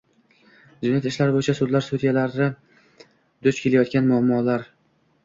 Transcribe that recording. Jinoyat ishlari bo‘yicha sudlar sudyalari duch kelayotgan muammolarng